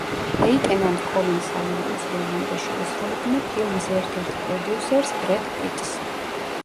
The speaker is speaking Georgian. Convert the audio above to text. ლეიტენანტ კოლინ სალივანის როლი უნდა შეესრულებინა ფილმის ერთ-ერთ პროდიუსერს, ბრედ პიტს.